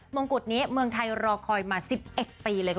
มองกุฎนี้เมืองไทยรอคอยมา๑๑ปีเลยคุณผู้ชมค่ะ